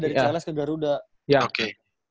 dari ciales ke garuda ya oke